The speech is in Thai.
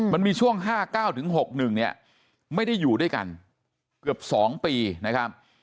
มันมีช่วงห้าเก้าถึงหกหนึ่งเนี่ยไม่ได้อยู่ด้วยกันเกือบสองปีนะครับ